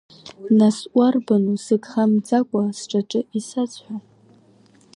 Нас уарбану сыгха мӡакәа сҿаҿы исазҳәо?